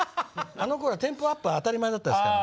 あのころはテンポアップは当たり前だったですから。